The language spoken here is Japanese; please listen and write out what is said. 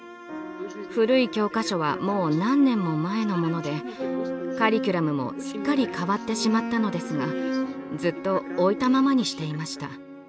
古い教科書はもう何年も前のものでカリキュラムもすっかり変わってしまったのですがずっと置いたままにしていました。